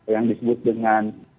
yang disebut dengan